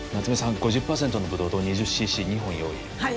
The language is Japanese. ５０％のブドウ糖２０ｃｃ２本用意はい